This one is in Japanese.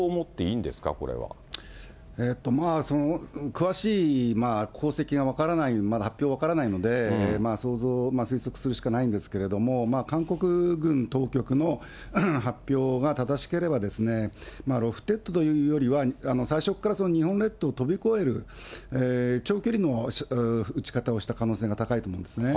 詳しい航跡が分からない、まだ発表が分からないので想像、推測するしかないんですけど、韓国軍当局の発表が正しければ、ロフテッドというよりは、最初から日本列島を飛び越える、長距離の撃ち方をした可能性が高いと思うんですね。